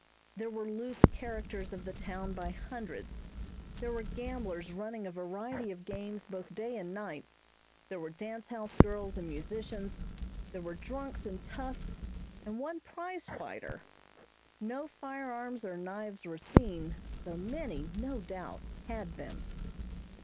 There were loose characters of the town by hundreds; there were gamblers running a variety of games both day and night; there were dance house girls and musicians; there were drunks and toughs, and one prize fighter. No firearms or knives were seen, though many, no doubt, had them.